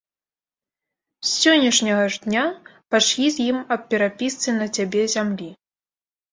З сённяшняга ж дня пачні з ім аб перапісцы на цябе зямлі.